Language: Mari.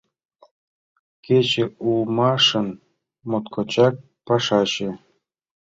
Кече улмашын моткочак пашаче